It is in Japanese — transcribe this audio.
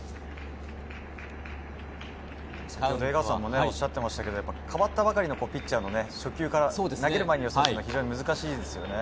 江川さんも言っていましたけど、代わったばかりのピッチャーの初球から投げる前に予想するのは非常に難しいですよね。